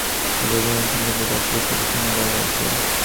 এরপর বিমানের তিন যাত্রীর কাছ থেকে ছয়টি স্বর্ণের বার পাওয়া যায়।